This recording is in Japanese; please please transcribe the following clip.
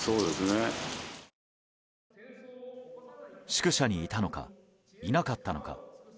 宿舎にいたのかいなかったのか。